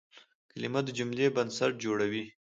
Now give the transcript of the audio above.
کلیمه د جملې بنسټ جوړوي.